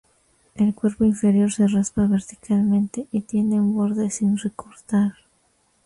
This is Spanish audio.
El cuerpo inferior se raspa verticalmente y tiene un borde sin recortar.